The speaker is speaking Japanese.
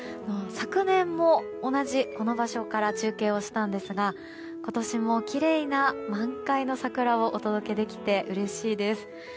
昨年も同じこの場所から中継をしたんですが今年もきれいな満開の桜をお届けできてうれしいです。